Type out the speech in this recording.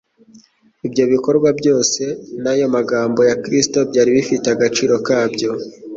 Ibyo bikorwa byose n'ayo magambo ya Kristo byari bifite agaciro kabyo,